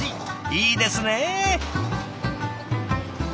いいですね。